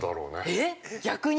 ◆えっ、逆に？